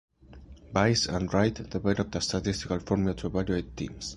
Weiss and Wright developed a statistical formula to evaluate teams.